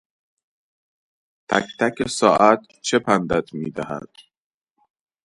تکتک ساعت چه پندت میدهد...